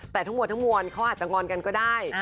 แต่ทั้งหมดทั้งมวลเขาอาจจะงอนกันก็ได้